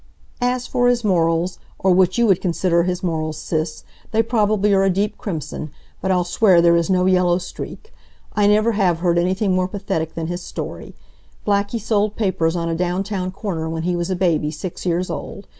"... As for his morals or what you would consider his morals, Sis they probably are a deep crimson; but I'll swear there is no yellow streak. I never have heard anything more pathetic than his story. Blackie sold papers on a down town corner when he was a baby six years old.